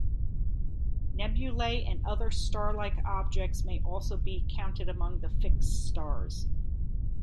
Nebulae and other star-like objects may also be counted among the fixed stars.